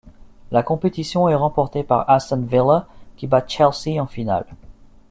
La compétition est remportée par Aston Villa qui bat Chelsea en finale.